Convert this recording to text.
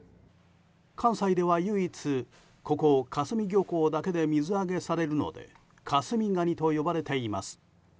関西では唯一、ここ香住漁港だけで水揚げされるので香住ガニと呼ばれています。